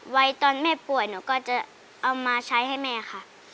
วัยตอนแม่ป่วยหนูก็จะเอามาใช้ให้แม่ค่ะ